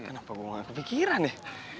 kenapa gue gak kepikiran deh